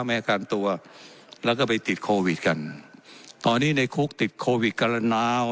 ไม่อาการตัวแล้วก็ไปติดโควิดกันตอนนี้ในคุกติดโควิดการณาว